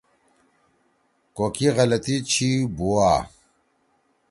کو کی غلطی چھی بُوا۔